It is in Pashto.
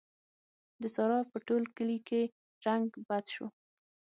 د سارا په ټول کلي کې رنګ بد شو.